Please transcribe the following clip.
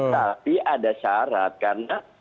tetapi ada syarat karena